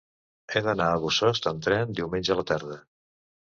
He d'anar a Bossòst amb tren diumenge a la tarda.